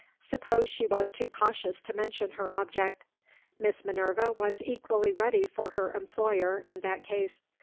Suppose she was too cautious to mention her object? Miss Minerva was equally ready for her employer, in that case.